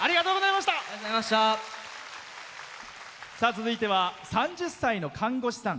続いては３０歳の看護師さん。